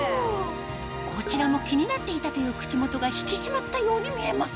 こちらも気になっていたという口元が引き締まったように見えます